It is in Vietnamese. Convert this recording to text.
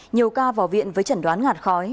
nhiều ca vào viện với chẩn đoán ngạt khói